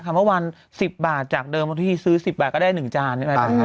เมื่อวาน๑๐บาทจากเดิมบางทีซื้อ๑๐บาทก็ได้๑จานใช่ไหม